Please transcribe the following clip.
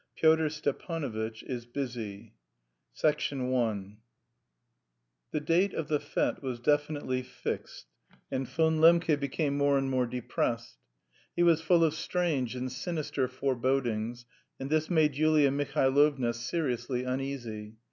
PYOTR STEPANOVITCH IS BUSY I The date of the fête was definitely fixed, and Von Lembke became more and more depressed. He was full of strange and sinister forebodings, and this made Yulia Mihailovna seriously uneasy.